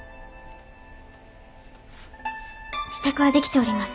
支度はできております。